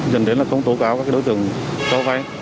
dần đến là không tố cáo các đối tượng cho vay